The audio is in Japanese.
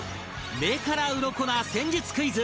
目からウロコな戦術クイズ